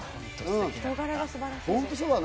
人柄が素晴らしいです。